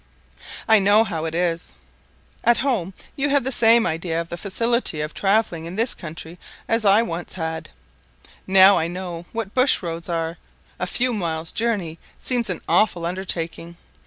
I know how it is; at home you have the same idea of the facility of travelling in this country as I once had: now I know what bush roads are, a few miles' journey seems an awful undertaking.